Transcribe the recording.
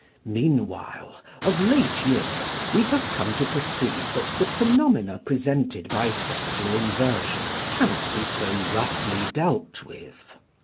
Meanwhile, of late years, we have come to perceive that the phenomena presented by sexual inversion, cannot be so roughly dealt with.